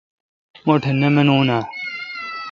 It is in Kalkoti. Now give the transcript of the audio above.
مہ ٹھ نہ منون اہ؟